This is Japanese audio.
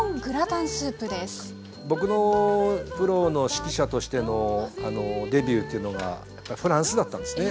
僕のプロの指揮者としてのデビューというのがフランスだったんですね。